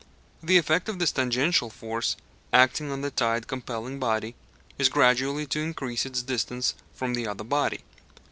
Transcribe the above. The effect of this tangential force acting on the tide compelling body is gradually to increase its distance from the other body.